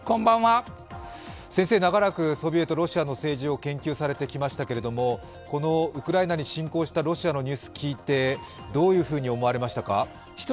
長らくソビエト、ロシアの政治を研究されてこられましたけれども、このウクライナに侵攻したロシアのニュースを聞いてどういうふうに思われましたか。